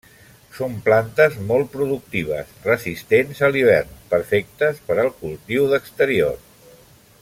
Són plantes molt productives, resistents a l'hivern, perfectes per al cultiu d'exterior.